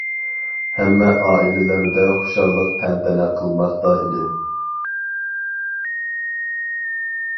ھەممە ئائىلىلەردە خۇشاللىق تەنتەنە قىلماقتا ئىدى.